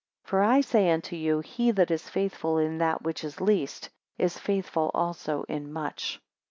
For I say unto you, he that is faithful in that which is least, is faithful also in much.